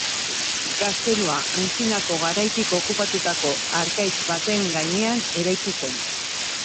Gaztelua antzinako garaitik okupatutako harkaitz baten gainean eraiki zen.